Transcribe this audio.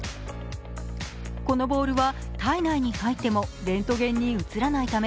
このボールは、体内に入ってもレントゲンに映らないため